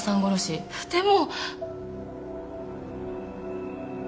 でも！